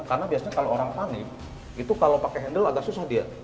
karena biasanya kalau orang panik itu kalau pakai handle agak susah dia